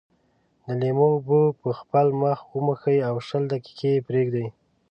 د لیمو اوبه په خپل مخ وموښئ او شل دقيقې یې پرېږدئ.